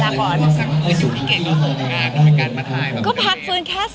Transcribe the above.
จากความรู้สึกที่เรียนกันทั้งหลายการมาถ่าย